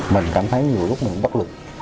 mình cảm thấy nhiều lúc mình cũng bất lực